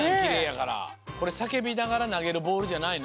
これさけびながらなげるボールじゃないの？